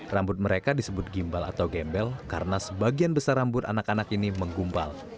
rambut mereka disebut gimbal atau gembel karena sebagian besar rambut anak anak ini menggumpal